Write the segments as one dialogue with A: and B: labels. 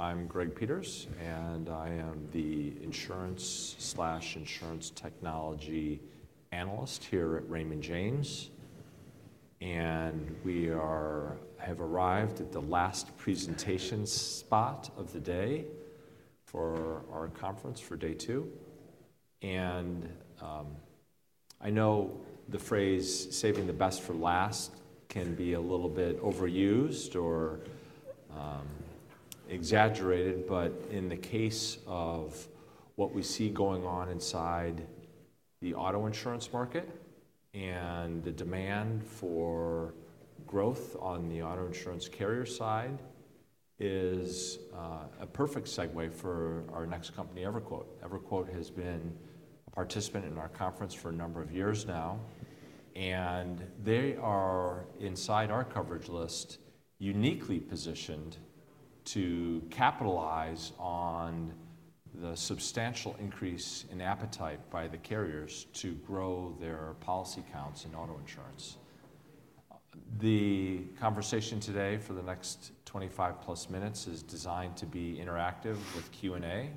A: I'm Greg Peters, and I am the Insurance Technology Analyst here at Raymond James. We have arrived at the last presentation spot of the day for our conference for day two. I know the phrase "saving the best for last" can be a little bit overused or exaggerated, but in the case of what we see going on inside the auto insurance market and the demand for growth on the auto insurance carrier side, it is a perfect segue for our next company, EverQuote. EverQuote has been a participant in our conference for a number of years now, and they are, inside our coverage list, uniquely positioned to capitalize on the substantial increase in appetite by the carriers to grow their policy counts in auto insurance. The conversation today for the next 25+ minutes is designed to be interactive with Q&A.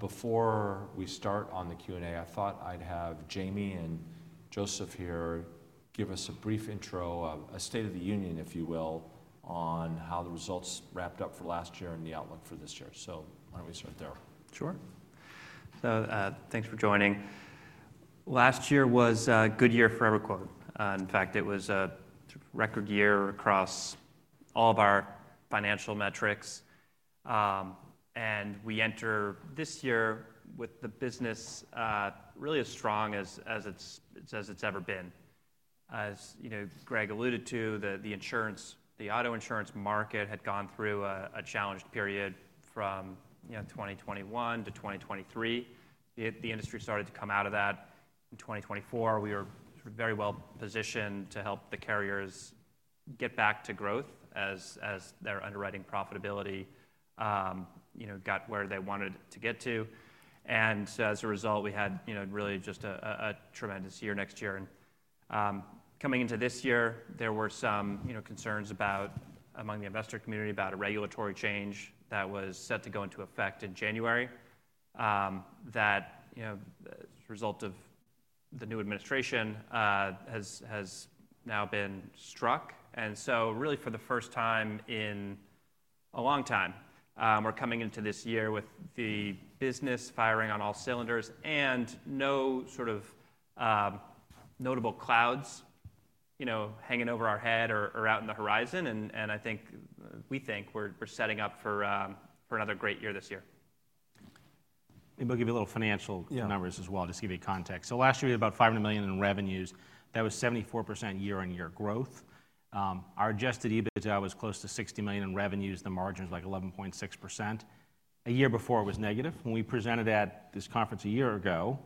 A: Before we start on the Q&A, I thought I'd have Jayme and Joseph here give us a brief intro, a state of the union, if you will, on how the results wrapped up for last year and the outlook for this year. Why don't we start there?
B: Sure. Thanks for joining. Last year was a good year for EverQuote. In fact, it was a record year across all of our financial metrics. We enter this year with the business really as strong as it's ever been. As Greg alluded to, the auto insurance market had gone through a challenged period from 2021 to 2023. The industry started to come out of that. In 2024, we were very well positioned to help the carriers get back to growth as their underwriting profitability got where they wanted to get to. As a result, we had really just a tremendous year next year. Coming into this year, there were some concerns among the investor community about a regulatory change that was set to go into effect in January that, as a result of the new administration, has now been struck. Really, for the first time in a long time, we're coming into this year with the business firing on all cylinders and no sort of notable clouds hanging over our head or out in the horizon. We think we're setting up for another great year this year.
C: Maybe I'll give you a little financial numbers as well, just to give you context. Last year, we had about $500 million in revenues. That was 74% year-on-year growth. Our Adjusted EBITDA was close to $60 million in revenues. The margin was like 11.6%. A year before, it was negative. When we presented at this conference a year ago,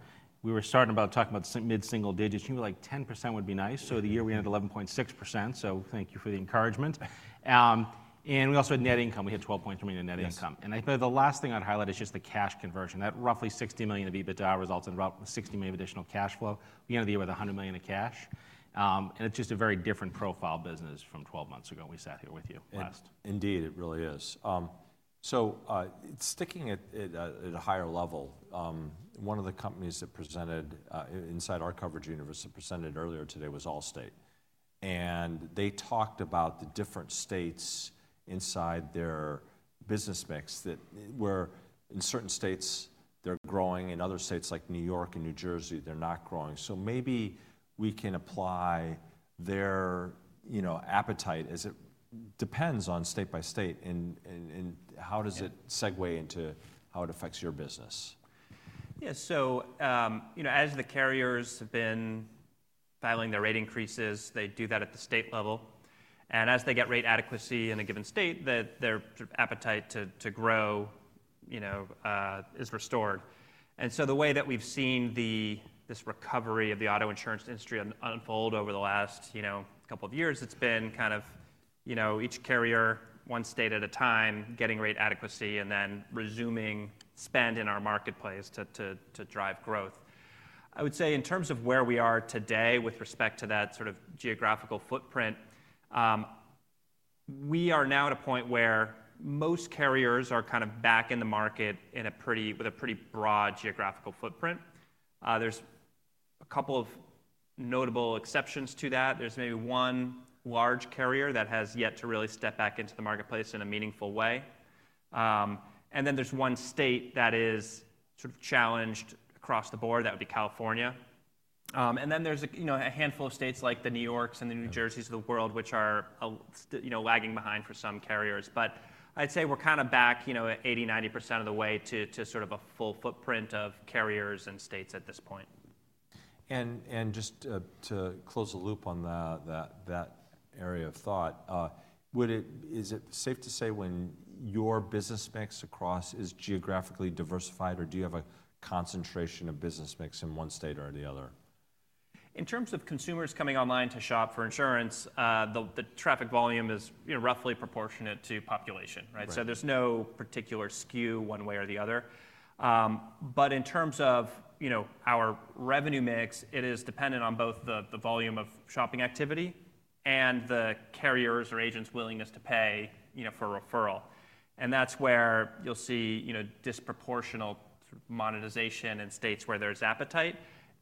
C: we were starting about talking about mid-single digits. We were like, "10% would be nice." The year we ended at 11.6%. Thank you for the encouragement. We also had net income. We had $12.3 million in net income. I think the last thing I'd highlight is just the cash conversion. That roughly $60 million of EBITDA results in roughly $60 million of additional cash flow. We ended the year with $100 million of cash. It is just a very different profile business from 12 months ago when we sat here with you last.
A: Indeed, it really is. Sticking at a higher level, one of the companies that presented inside our coverage universe that presented earlier today was Allstate. They talked about the different states inside their business mix where in certain states they're growing, in other states like New York and New Jersey, they're not growing. Maybe we can apply their appetite, as it depends on state by state, and how does it segue into how it affects your business?
B: Yeah. As the carriers have been filing their rate increases, they do that at the state level. As they get rate adequacy in a given state, their appetite to grow is restored. The way that we've seen this recovery of the auto insurance industry unfold over the last couple of years, it's been kind of each carrier, one state at a time, getting rate adequacy and then resuming spend in our marketplace to drive growth. I would say in terms of where we are today with respect to that sort of geographical footprint, we are now at a point where most carriers are kind of back in the market with a pretty broad geographical footprint. There's a couple of notable exceptions to that. There's maybe one large carrier that has yet to really step back into the marketplace in a meaningful way. There is one state that is sort of challenged across the board. That would be California. There is a handful of states like the New Yorks and the New Jerseys of the world, which are lagging behind for some carriers. I'd say we're kind of back 80%-90% of the way to sort of a full footprint of carriers and states at this point.
A: Just to close the loop on that area of thought, is it safe to say when your business mix across is geographically diversified, or do you have a concentration of business mix in one state or the other?
B: In terms of consumers coming online to shop for insurance, the traffic volume is roughly proportionate to population. There is no particular skew one way or the other. In terms of our revenue mix, it is dependent on both the volume of shopping activity and the carriers or agents' willingness to pay for a referral. That is where you will see disproportional monetization in states where there is appetite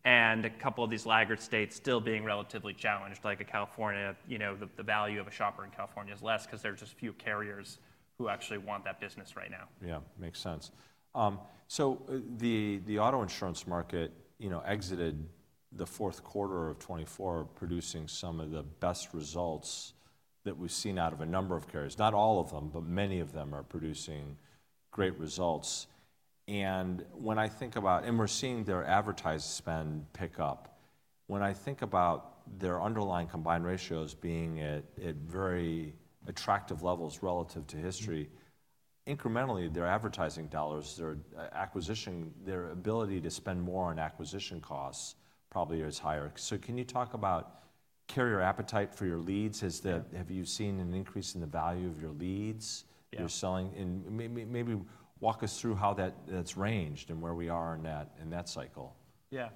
B: and a couple of these laggard states still being relatively challenged, like California. The value of a shopper in California is less because there are just a few carriers who actually want that business right now.
A: Yeah, makes sense. The auto insurance market exited the fourth quarter of 2024, producing some of the best results that we've seen out of a number of carriers. Not all of them, but many of them are producing great results. When I think about, and we're seeing their advertised spend pick up, when I think about their underlying combined ratios being at very attractive levels relative to history, incrementally, their advertising dollars, their acquisition, their ability to spend more on acquisition costs probably is higher. Can you talk about carrier appetite for your leads? Have you seen an increase in the value of your leads you're selling? Maybe walk us through how that's ranged and where we are in that cycle.
B: Yeah.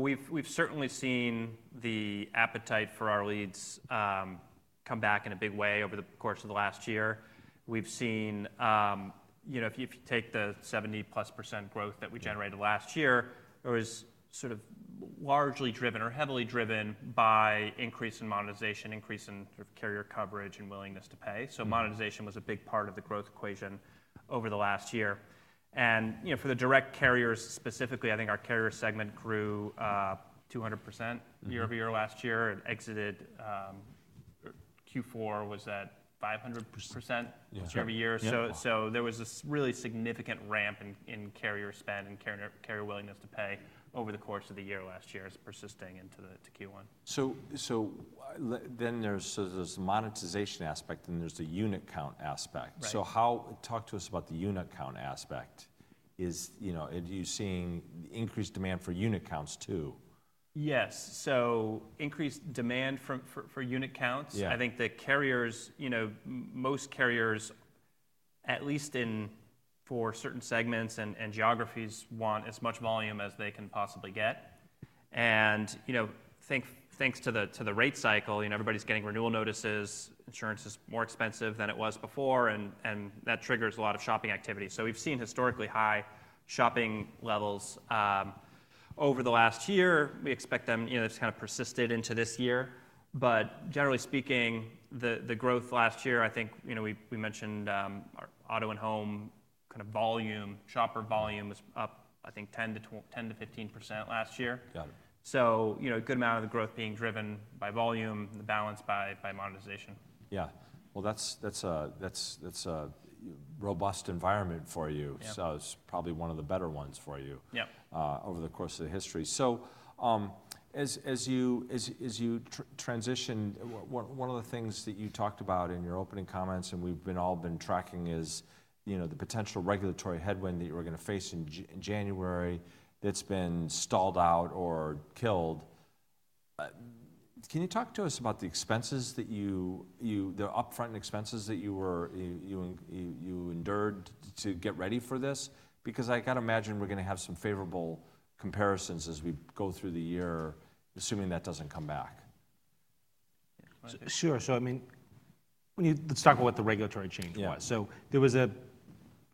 B: We've certainly seen the appetite for our leads come back in a big way over the course of the last year. We've seen, if you take the 70%+ growth that we generated last year, it was sort of largely driven or heavily driven by increase in monetization, increase in carrier coverage, and willingness to pay. Monetization was a big part of the growth equation over the last year. For the direct carriers specifically, I think our carrier segment grew 200% year-over-year last year and exited Q4 at 500% year-over-year. There was a really significant ramp in carrier spend and carrier willingness to pay over the course of the year last year as persisting into Q1.
A: There is this monetization aspect, and there is the unit count aspect. Talk to us about the unit count aspect. Are you seeing increased demand for unit counts too?
B: Yes. Increased demand for unit counts. I think most carriers, at least for certain segments and geographies, want as much volume as they can possibly get. Thanks to the rate cycle, everybody's getting renewal notices. Insurance is more expensive than it was before, and that triggers a lot of shopping activity. We have seen historically high shopping levels over the last year. We expect them to kind of persist into this year. Generally speaking, the growth last year, I think we mentioned auto and home kind of volume, shopper volume was up, I think, 10%-15% last year. A good amount of the growth being driven by volume, balanced by monetization.
A: Yeah. That is a robust environment for you. It is probably one of the better ones for you over the course of history. As you transitioned, one of the things that you talked about in your opening comments, and we have all been tracking, is the potential regulatory headwind that you were going to face in January that has been stalled out or killed. Can you talk to us about the expenses that you, the upfront expenses that you endured to get ready for this? Because I have to imagine we are going to have some favorable comparisons as we go through the year, assuming that does not come back.
C: Sure. I mean, let's talk about what the regulatory change was. There was an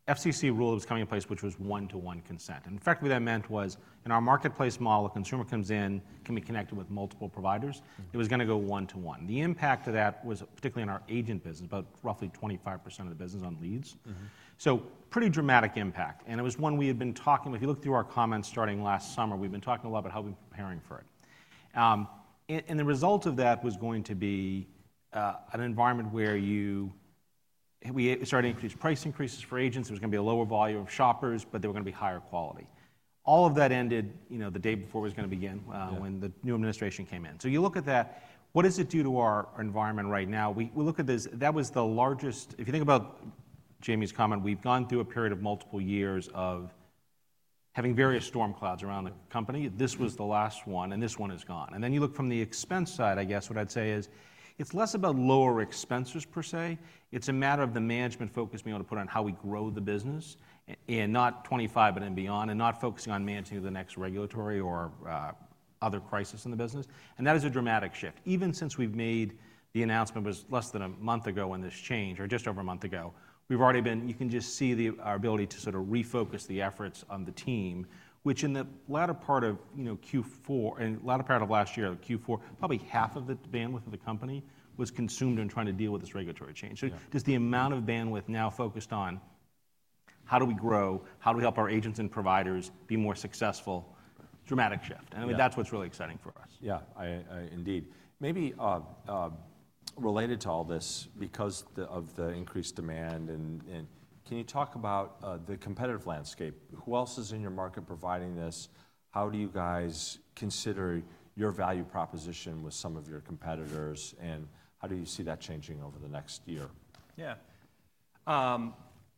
C: FCC Rule that was coming in place, which was one-to-one consent. The fact that that meant was in our marketplace model, a consumer comes in, can be connected with multiple providers. It was going to go one-to-one. The impact of that was, particularly in our agent business, about roughly 25% of the business on leads. Pretty dramatic impact. It was one we had been talking about. If you look through our comments starting last summer, we've been talking a lot about how we've been preparing for it. The result of that was going to be an environment where we started to increase price increases for agents. There was going to be a lower volume of shoppers, but there were going to be higher quality. All of that ended the day before it was going to begin when the new administration came in. You look at that, what does it do to our environment right now? We look at this. That was the largest. If you think about Jayme's comment, we've gone through a period of multiple years of having various storm clouds around the company. This was the last one, and this one is gone. You look from the expense side, I guess what I'd say is it's less about lower expenses per se. It's a matter of the management focus being able to put on how we grow the business, and not '25 and beyond, and not focusing on managing the next regulatory or other crisis in the business. That is a dramatic shift. Even since we've made the announcement, it was less than a month ago when this changed, or just over a month ago, we've already been, you can just see our ability to sort of refocus the efforts on the team, which in the latter part of Q4, and latter part of last year, Q4, probably half of the bandwidth of the company was consumed in trying to deal with this regulatory change. Just the amount of bandwidth now focused on how do we grow, how do we help our agents and providers be more successful, dramatic shift. I mean, that's what's really exciting for us.
A: Yeah, indeed. Maybe related to all this, because of the increased demand, can you talk about the competitive landscape? Who else is in your market providing this? How do you guys consider your value proposition with some of your competitors, and how do you see that changing over the next year?
B: Yeah.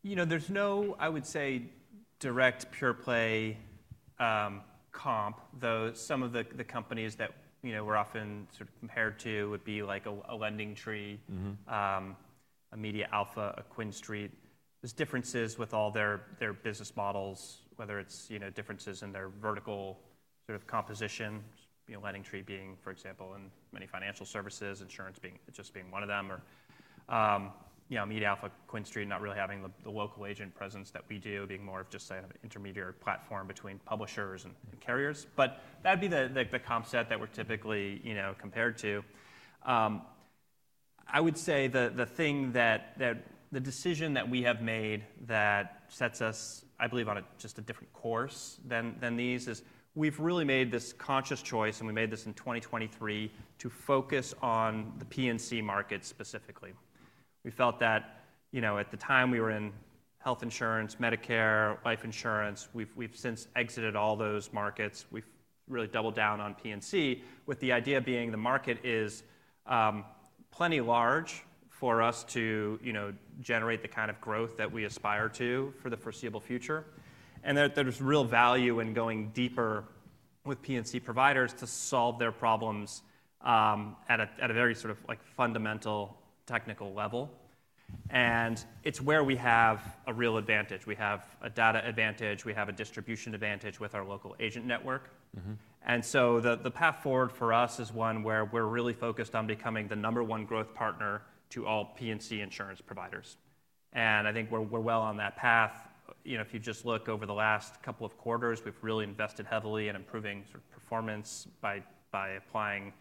B: There's no, I would say, direct pure play comp. Though some of the companies that we're often sort of compared to would be like a LendingTree, a MediaAlpha, a QuinStreet. There's differences with all their business models, whether it's differences in their vertical sort of composition, LendingTree being, for example, in many financial services, insurance just being one of them, or MediaAlpha, QuinStreet not really having the local agent presence that we do, being more of just an intermediary platform between publishers and carriers. That'd be the comp set that we're typically compared to. I would say the decision that we have made that sets us, I believe, on just a different course than these is we've really made this conscious choice, and we made this in 2023 to focus on the P&C market specifically. We felt that at the time we were in health insurance, Medicare, life insurance, we've since exited all those markets. We've really doubled down on P&C with the idea being the market is plenty large for us to generate the kind of growth that we aspire to for the foreseeable future. There is real value in going deeper with P&C providers to solve their problems at a very sort of fundamental technical level. It is where we have a real advantage. We have a data advantage. We have a distribution advantage with our local agent network. The path forward for us is one where we're really focused on becoming the number one growth partner to all P&C insurance providers. I think we're well on that path. If you just look over the last couple of quarters, we've really invested heavily in improving performance by applying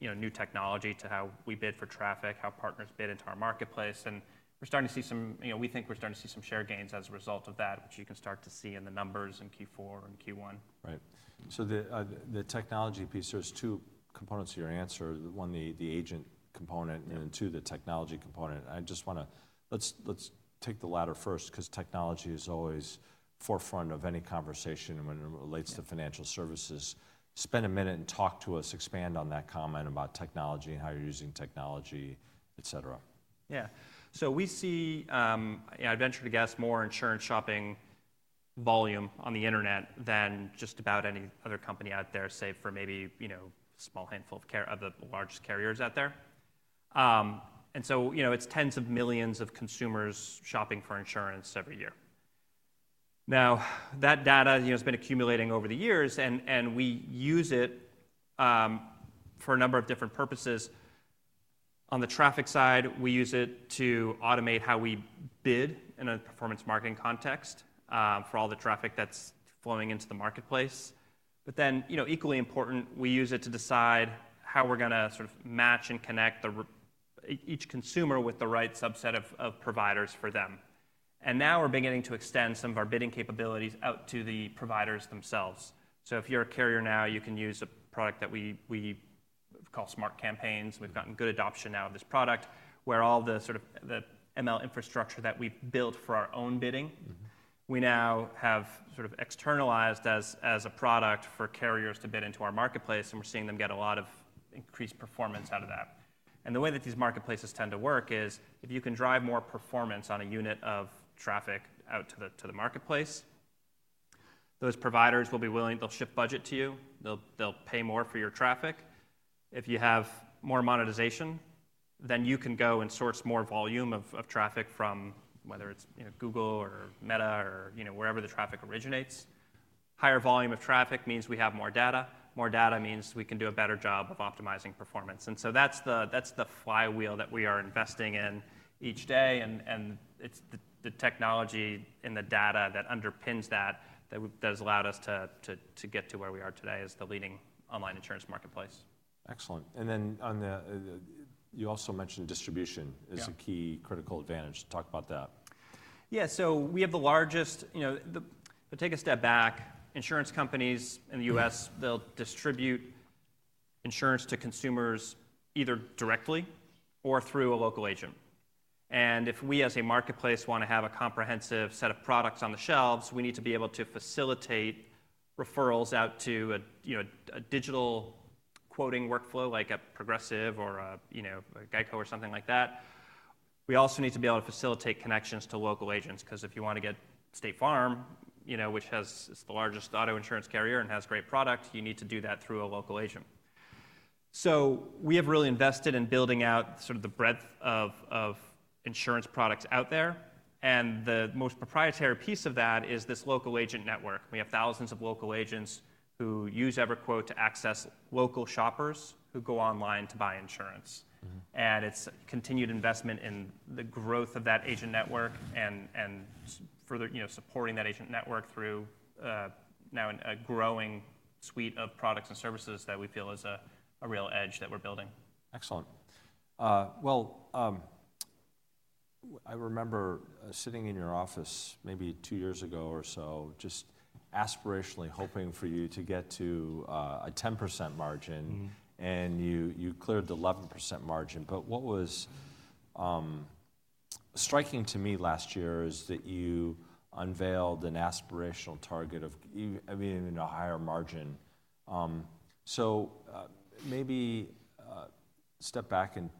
B: new technology to how we bid for traffic, how partners bid into our marketplace. We're starting to see some, we think we're starting to see some share gains as a result of that, which you can start to see in the numbers in Q4 and Q1.
A: Right. The technology piece, there's two components to your answer. One, the agent component, and then two, the technology component. I just want to, let's take the latter first because technology is always forefront of any conversation when it relates to financial services. Spend a minute and talk to us, expand on that comment about technology and how you're using technology, et cetera.
B: Yeah. We see, I'd venture to guess, more insurance shopping volume on the internet than just about any other company out there, say, for maybe a small handful of the largest carriers out there. It's tens of millions of consumers shopping for insurance every year. That data has been accumulating over the years, and we use it for a number of different purposes. On the traffic side, we use it to automate how we bid in a performance marketing context for all the traffic that's flowing into the marketplace. Equally important, we use it to decide how we're going to sort of match and connect each consumer with the right subset of providers for them. Now we're beginning to extend some of our bidding capabilities out to the providers themselves. If you're a carrier now, you can use a product that we call Smart Campaigns. We've gotten good adoption now of this product where all the sort of ML infrastructure that we built for our own bidding, we now have sort of externalized as a product for carriers to bid into our marketplace, and we're seeing them get a lot of increased performance out of that. The way that these marketplaces tend to work is if you can drive more performance on a unit of traffic out to the marketplace, those providers will be willing, they'll shift budget to you, they'll pay more for your traffic. If you have more monetization, then you can go and source more volume of traffic from whether it's Google or Meta or wherever the traffic originates. Higher volume of traffic means we have more data. More data means we can do a better job of optimizing performance. That is the flywheel that we are investing in each day. It is the technology and the data that underpins that that has allowed us to get to where we are today as the leading online insurance marketplace.
A: Excellent. You also mentioned distribution as a key critical advantage. Talk about that.
B: Yeah. We have the largest, if I take a step back, insurance companies in the U.S., they'll distribute insurance to consumers either directly or through a local agent. If we as a marketplace want to have a comprehensive set of products on the shelves, we need to be able to facilitate referrals out to a digital quoting workflow like a Progressive or a GEICO or something like that. We also need to be able to facilitate connections to local agents because if you want to get State Farm, which is the largest auto insurance carrier and has great product, you need to do that through a local agent. We have really invested in building out sort of the breadth of insurance products out there. The most proprietary piece of that is this local agent network. We have thousands of local agents who use EverQuote to access local shoppers who go online to buy insurance. It is continued investment in the growth of that agent network and further supporting that agent network through now a growing suite of products and services that we feel is a real edge that we are building.
A: Excellent. I remember sitting in your office maybe two years ago or so, just aspirationally hoping for you to get to a 10% margin, and you cleared the 11% margin. What was striking to me last year is that you unveiled an aspirational target of, I mean, a higher margin. Maybe step back and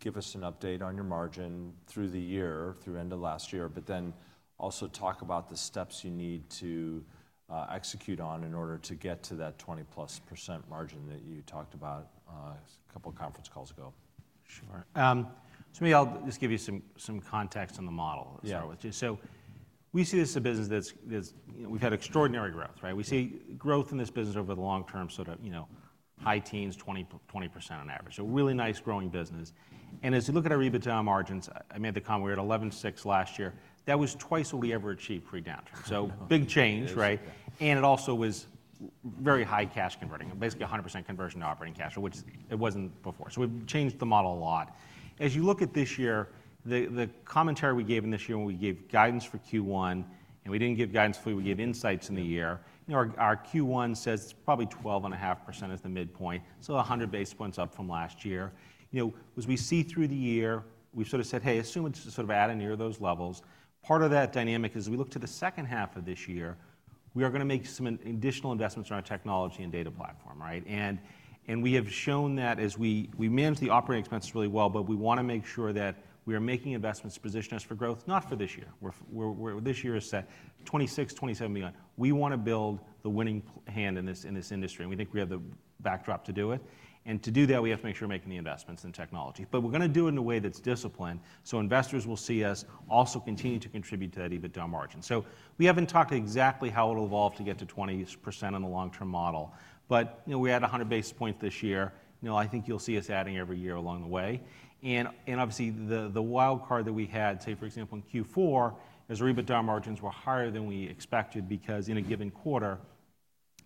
A: give us an update on your margin through the year, through end of last year, but then also talk about the steps you need to execute on in order to get to that 20+ % margin that you talked about a couple of conference calls ago.
C: Sure. Maybe I'll just give you some context on the model to start with. We see this as a business that's had extraordinary growth, right? We see growth in this business over the long term, sort of high teens, 20% on average. Really nice growing business. As you look at our EBITDA margins, I made the comment we were at 11.6% last year. That was twice what we ever achieved pre-downturn. Big change, right? It also was very high cash converting, basically 100% conversion to operating cash, which it wasn't before. We've changed the model a lot. As you look at this year, the commentary we gave in this year, we gave guidance for Q1, and we didn't give guidance for, we gave insights in the year. Our Q1 says it's probably 12.5% as the midpoint, so 100 basis points up from last year. As we see through the year, we've sort of said, hey, assume it's sort of at or near those levels. Part of that dynamic is we look to the second half of this year, we are going to make some additional investments in our technology and data platform, right? We have shown that as we manage the operating expenses really well, but we want to make sure that we are making investments to position us for growth, not for this year. This year is set $26 million-$27 million. We want to build the winning hand in this industry, and we think we have the backdrop to do it. To do that, we have to make sure we're making the investments in technology. We're going to do it in a way that's disciplined so investors will see us also continue to contribute to that EBITDA margin. We haven't talked exactly how it will evolve to get to 20% on the long-term model, but we added 100 basis points this year. I think you'll see us adding every year along the way. Obviously, the wildcard that we had, say, for example, in Q4, as our EBITDA margins were higher than we expected because in a given quarter,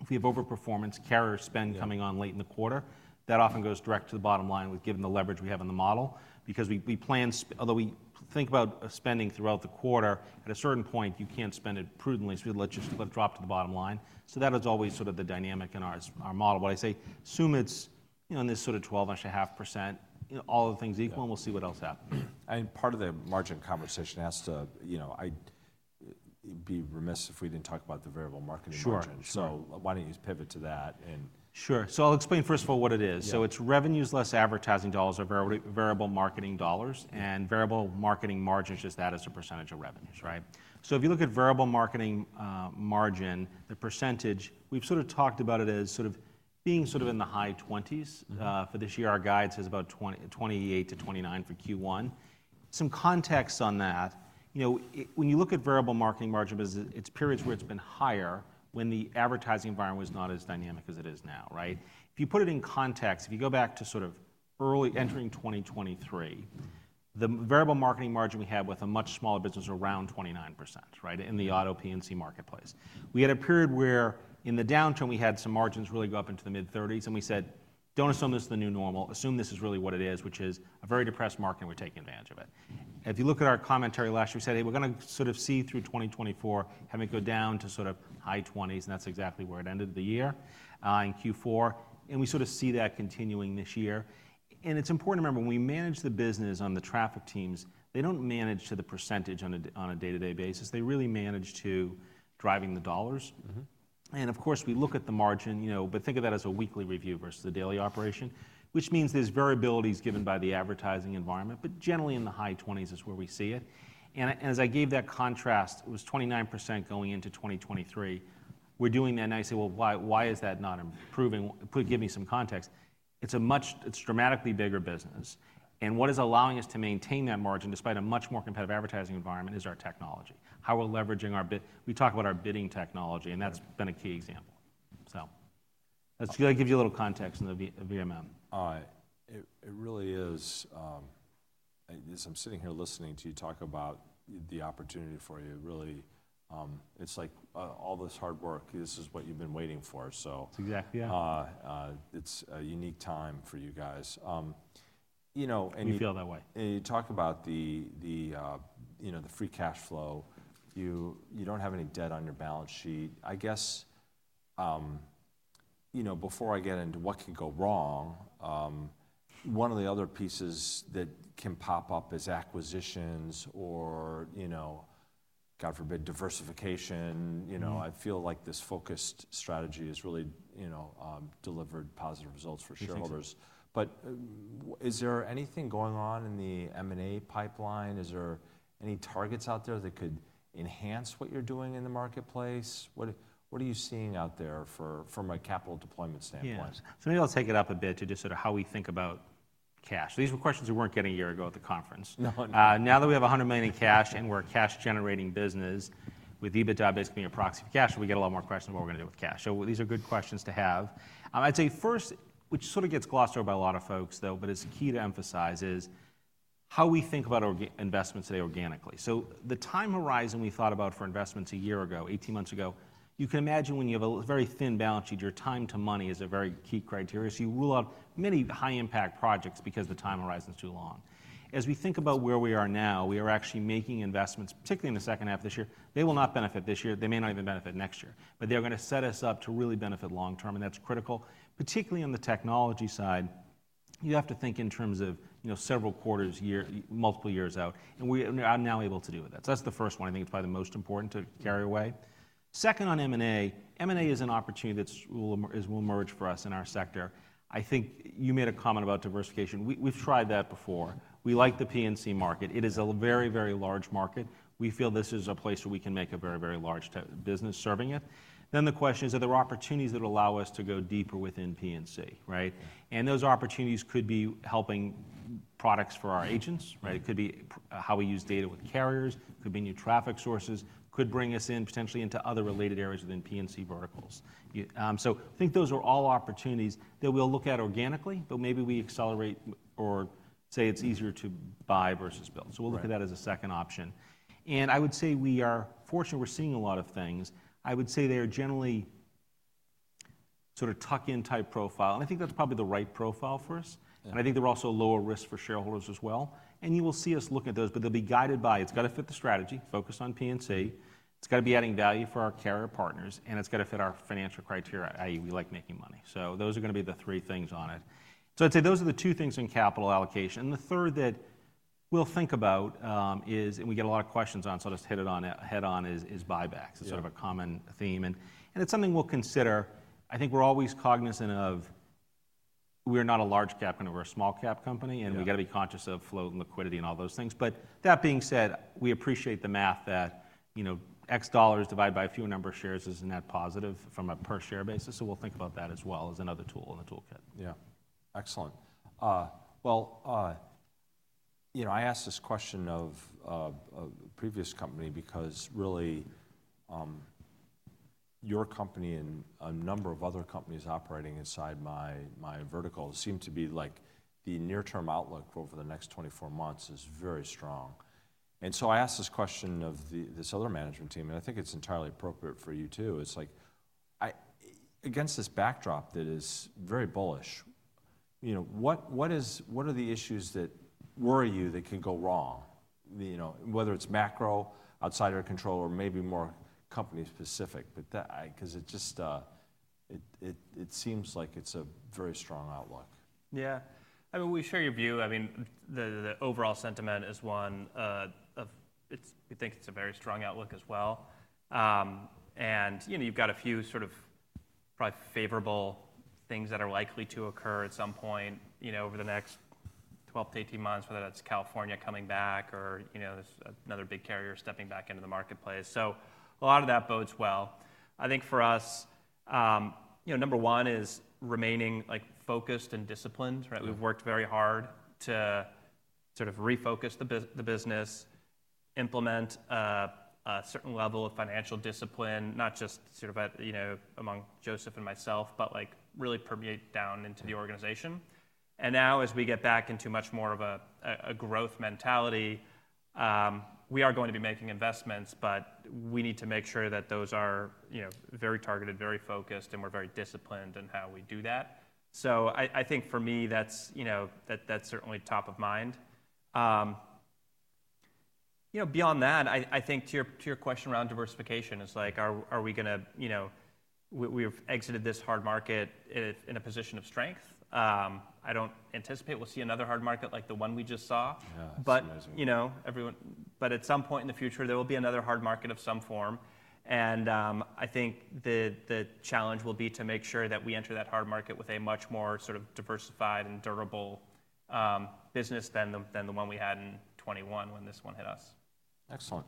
C: if we have overperformance carrier spend coming on late in the quarter, that often goes direct to the bottom line given the leverage we have in the model because we plan, although we think about spending throughout the quarter, at a certain point, you can't spend it prudently, so we'll just drop to the bottom line. That is always sort of the dynamic in our model. I say assume it's in this sort of 12.5%, all the things equal, and we'll see what else happens.
A: Part of the margin conversation has to, I'd be remiss if we didn't talk about the Variable Marketing Margin. Why don't you pivot to that.
C: Sure. I'll explain first of all what it is. It's revenues less advertising dollars or variable marketing dollars, and Variable Marketing Margin is just that as a percentage of revenues, right? If you look at Variable Marketing Margin, the percentage, we've sort of talked about it as being sort of in the high 20s for this year. Our guide says about 28%-29% for Q1. Some context on that. When you look at Variable Marketing Margin, it's periods where it's been higher when the advertising environment was not as dynamic as it is now, right? If you put it in context, if you go back to early entering 2023, the Variable Marketing Margin we had with a much smaller business was around 29%, right, in the auto P&C marketplace. We had a period where in the downturn we had some margins really go up into the mid-30s, and we said, don't assume this is the new normal. Assume this is really what it is, which is a very depressed market, and we're taking advantage of it. If you look at our commentary last year, we said, hey, we're going to sort of see through 2024, having it go down to sort of high 20s, and that's exactly where it ended the year in Q4. We sort of see that continuing this year. It's important to remember when we manage the business on the traffic teams, they don't manage to the percentage on a day-to-day basis. They really manage to driving the dollars. Of course, we look at the margin, but think of that as a weekly review versus the daily operation, which means there's variabilities given by the advertising environment, but generally in the high 20s is where we see it. As I gave that contrast, it was 29% going into 2023. We're doing that nicely. Why is that not improving? Give me some context. It's a much, it's dramatically bigger business. What is allowing us to maintain that margin despite a much more competitive advertising environment is our technology. How we're leveraging our bid. We talk about our bidding technology, and that's been a key example. That's going to give you a little context in the VMM.
A: It really is. As I'm sitting here listening to you talk about the opportunity for you, really, it's like all this hard work, this is what you've been waiting for.
C: Exactly, yeah.
A: It's a unique time for you guys.
C: We feel that way.
A: You talk about the free cash flow. You do not have any debt on your balance sheet. I guess before I get into what can go wrong, one of the other pieces that can pop up is acquisitions or, God forbid, diversification. I feel like this focused strategy has really delivered positive results for shareholders. Is there anything going on in the M&A pipeline? Is there any targets out there that could enhance what you are doing in the marketplace? What are you seeing out there from a capital deployment standpoint?
C: Yeah. Maybe I'll take it up a bit to just sort of how we think about cash. These were questions we were not getting a year ago at the conference. Now that we have $100 million in cash and we are a cash-generating business with EBITDA basically being a proxy for cash, we get a lot more questions about what we are going to do with cash. These are good questions to have. I'd say first, which sort of gets glossed over by a lot of folks, though, but it is key to emphasize, is how we think about investments today organically. The time horizon we thought about for investments a year ago, 18 months ago, you can imagine when you have a very thin balance sheet, your time to money is a very key criteria. You rule out many high-impact projects because the time horizon is too long. As we think about where we are now, we are actually making investments, particularly in the second half of this year. They will not benefit this year. They may not even benefit next year. They are going to set us up to really benefit long-term, and that is critical. Particularly on the technology side, you have to think in terms of several quarters, multiple years out. I am now able to do that. That is the first one. I think it is probably the most important to carry away. Second, on M&A, M&A is an opportunity that will emerge for us in our sector. I think you made a comment about diversification. We have tried that before. We like the P&C market. It is a very, very large market. We feel this is a place where we can make a very, very large business serving it. The question is, are there opportunities that allow us to go deeper within P&C, right? Those opportunities could be helping products for our agents, right? It could be how we use data with carriers. It could be new traffic sources. It could bring us in potentially into other related areas within P&C verticals. I think those are all opportunities that we'll look at organically, but maybe we accelerate or say it's easier to buy versus build. We'll look at that as a second option. I would say we are fortunate. We're seeing a lot of things. I would say they are generally sort of tuck-in type profile. I think that's probably the right profile for us. I think they're also lower risk for shareholders as well. You will see us look at those, but they'll be guided by it's got to fit the strategy, focus on P&C. It's got to be adding value for our carrier partners, and it's got to fit our financial criteria, i.e., we like making money. Those are going to be the three things on it. I'd say those are the two things in capital allocation. The third that we'll think about is, and we get a lot of questions on, so I'll just hit it head on, is buybacks. It's sort of a common theme. It's something we'll consider. I think we're always cognizant of we're not a large-cap company. We're a small-cap company. We've got to be conscious of flow and liquidity and all those things. That being said, we appreciate the math that $X divided by a few number of shares is a net positive from a per-share basis. We will think about that as well as another tool in the toolkit.
A: Yeah. Excellent. I asked this question of a previous company because really your company and a number of other companies operating inside my vertical seem to be like the near-term outlook for over the next 24 months is very strong. I asked this question of this other management team, and I think it's entirely appropriate for you too. It's like against this backdrop that is very bullish, what are the issues that worry you that can go wrong, whether it's macro, outside your control, or maybe more company-specific? Because it seems like it's a very strong outlook.
B: Yeah. I mean, we share your view. I mean, the overall sentiment is one of. We think it's a very strong outlook as well. You have a few sort of probably favorable things that are likely to occur at some point over the next 12 to 18 months, whether that's California coming back or another big carrier stepping back into the marketplace. A lot of that bodes well. I think for us, number one is remaining focused and disciplined, right? We've worked very hard to sort of refocus the business, implement a certain level of financial discipline, not just sort of among Joseph and myself, but really permeate down into the organization. As we get back into much more of a growth mentality, we are going to be making investments, but we need to make sure that those are very targeted, very focused, and we're very disciplined in how we do that. I think for me, that's certainly top of mind. Beyond that, I think to your question around diversification, it's like, are we going to we've exited this hard market in a position of strength. I don't anticipate we'll see another hard market like the one we just saw.
A: Yeah, that's amazing.
B: At some point in the future, there will be another hard market of some form. I think the challenge will be to make sure that we enter that hard market with a much more sort of diversified and durable business than the one we had in 2021 when this one hit us.
A: Excellent.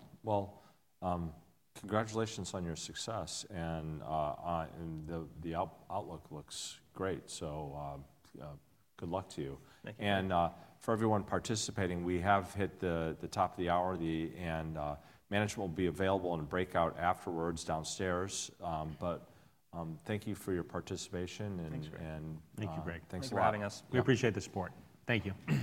A: Congratulations on your success. The outlook looks great. Good luck to you.
B: Thank you.
A: For everyone participating, we have hit the top of the hour. Management will be available in a breakout afterwards downstairs. Thank you for your participation.
B: Thanks, Greg.
A: And.
B: Thank you, Greg.
A: Thanks a lot.
C: For having us. We appreciate the support. Thank you.